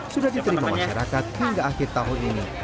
sudah diterima masyarakat hingga akhir tahun ini